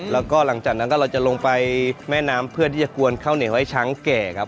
แล้วก็หลังจากนั้นก็เราจะลงไปแม่น้ำเพื่อที่จะกวนข้าวเหนียวให้ช้างแก่ครับ